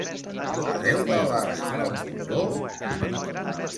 A deu dòlars el condó?